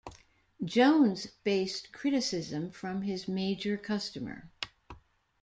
Jones faced criticism from his major customer.